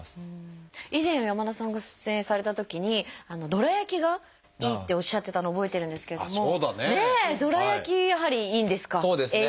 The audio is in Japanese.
以前山田さんが出演されたときにどら焼きがいいっておっしゃってたのを覚えてるんですけれどもどら焼きやはりいいんですか？